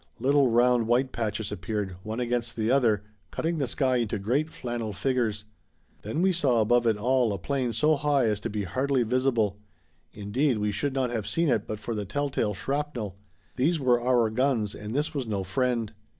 Little round white patches appeared, one against the other, cutting the sky into great flannel figures. Then we saw above it all a 'plane so high as to be hardly visible. Indeed, we should not have seen it but for the telltale shrapnel. These were our guns, and this was no friend.